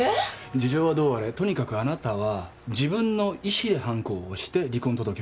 事情はどうあれとにかくあなたは自分の意思でハンコを押して離婚届を出してる。